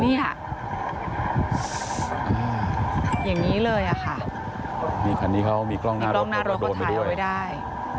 เนี้ยอ่าอย่างงี้เลยอ่ะค่ะมีคันนี้เขามีกล้องหน้ารถมีกล้องหน้ารถขนไทยเอาไว้ได้